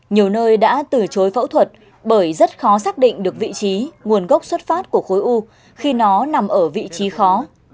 nhiều nơi đã từ chối phẫu thuật bởi rất khó xác định được vị trí nguồn gốc xuất phát của khối u khi nó nằm ở vị trí khó